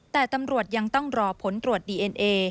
แต่ตำรวจยังต้องรอผลตรวจดีเอ็นเอ